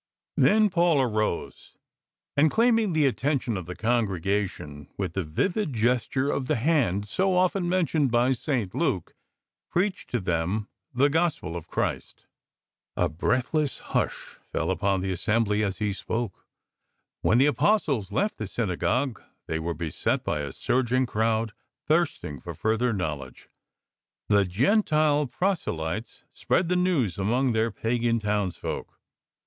Then Paul arose, and claiming the attention of the congregation vdth the vivid gesture of the hand so often mentioned by St. Luke, preached to them the Gospel of Christ. A breathless hush fell upon the assembly as he spoke. Wlien the Apostles left the synagogue, they were beset by a surging crowd, thirsting for further knowledge. The Gentile proselytes spread the news anlong their pagan townsfolk.